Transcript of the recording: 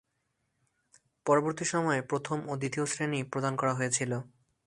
পরবর্তী সময়ে, প্রথম ও দ্বিতীয় শ্রেণী প্রদান করা হয়েছিল।